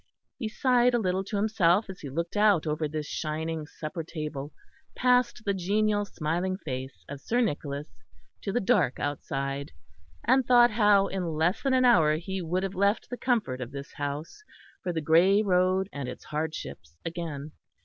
He sighed a little to himself as he looked out over this shining supper table past the genial smiling face of Sir Nicholas to the dark outside; and thought how in less than an hour he would have left the comfort of this house for the grey road and its hardships again.